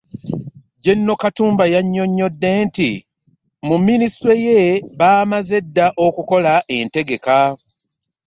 Jjenero Katumba yannyonnyodde nti mu Minisitule ye baamaze dda okukola entegeka